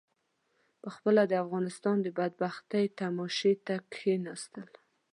پخپله د افغانستان د بدبختۍ تماشې ته کېنستل.